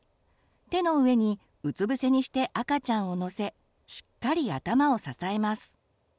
手の上にうつぶせにして赤ちゃんを乗せしっかり頭を支えます。